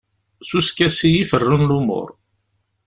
S uskasi i ferrun lumuṛ.